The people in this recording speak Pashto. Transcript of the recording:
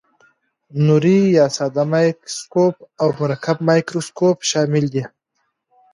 نوري یا ساده مایکروسکوپ او مرکب مایکروسکوپ شامل دي.